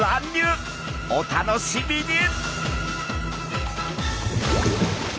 お楽しみに！